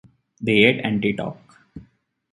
They eat and they talk.